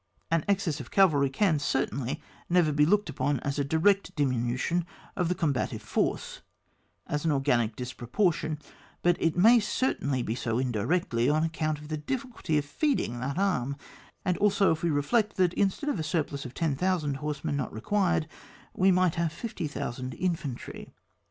An excess of cavalry can certainly never be looked upon as a direct diminu tion of the combatant force, as an organic disproportion, but it may certainly be so indirectly, on account of the difficulty of feeding that arm, and also if we reflect that instead of a surplus of 10,000 horsemen not required we might have 50,000 infantry.